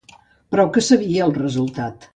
Prou que sabia el resultat.